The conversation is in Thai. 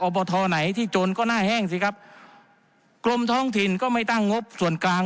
บททไหนที่จนก็หน้าแห้งสิครับกรมท้องถิ่นก็ไม่ตั้งงบส่วนกลาง